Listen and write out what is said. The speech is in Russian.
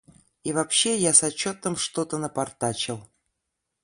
И вообще, я с отчетом что-то напортачил.